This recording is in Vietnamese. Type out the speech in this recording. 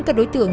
các đối tượng